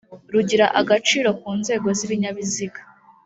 rugira agaciro kunzego zibinyabiziga